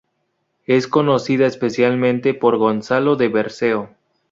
Es conocida especialmente por Gonzalo de Berceo.